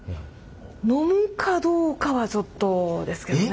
飲むかどうかはちょっとですけどね。